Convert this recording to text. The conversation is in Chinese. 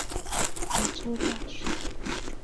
福州大学城位于福建省福州市闽侯县上街镇。